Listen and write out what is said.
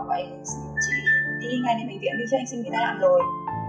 vậy chỉ đi ngay đến bệnh viện đi chứ anh sinh người ta làm rồi